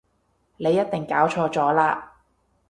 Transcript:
你一定搞錯咗喇